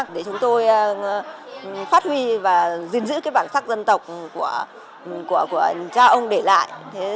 để chúng tôi phát huy và gìn giữ bản sắc dân tộc của cha ông để lại